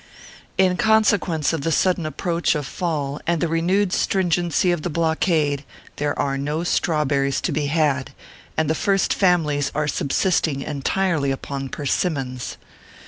In consequence of the sudden approach of fall and the renewed stringency of the blockade, there are no strawberries to be had, and the First Families are subsisting entirely upon persimmons.